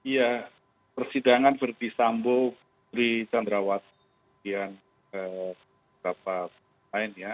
ya persidangan verdi sambu dari candrawas yang beberapa lain ya